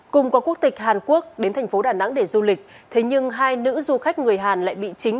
cùng có quốc tịch hàn quốc đến thành phố đà nẵng để du lịch thế nhưng hai nữ du khách người hàn lại bị chính